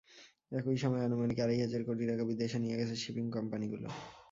একই সময়ে আনুমানিক আড়াই হাজার কোটি টাকা বিদেশে নিয়ে গেছে শিপিং কোম্পানিগুলো।